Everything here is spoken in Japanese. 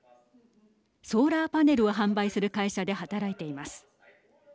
ソーラーパネルを販売する会社で働いています。